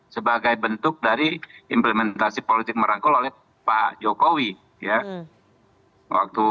sebagai bentuk dari implementasi politik merangkul oleh pak jokowi ya